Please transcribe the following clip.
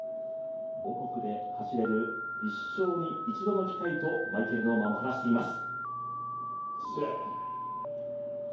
母国で走れる一生に一度の機会とマイケル・ノーマンは話しています